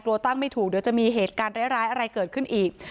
ตั้งไม่ถูกเดี๋ยวจะมีเหตุการณ์ร้ายอะไรเกิดขึ้นอีก